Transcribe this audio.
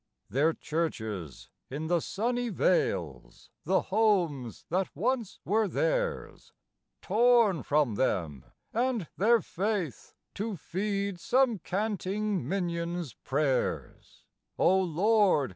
Their churches in the sunny vales; the homes that once were theirs, Torn from them and their Faith to feed some canting minion's prayers: Oh Lord!